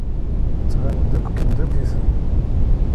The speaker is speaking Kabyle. Ttbanen-d akk kifkif-iten.